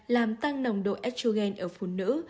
làm tăng nồng độ estrogen ở phụ nữ